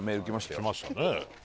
来ましたね。